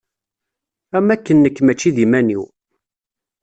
Am wakken nekk mačči d iman-iw.